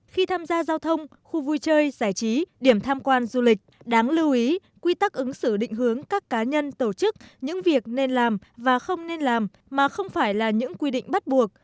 khi tham gia giao thông khu vui chơi giải trí điểm tham quan du lịch đáng lưu ý quy tắc ứng xử định hướng các cá nhân tổ chức những việc nên làm và không nên làm mà không phải là những quy định bắt buộc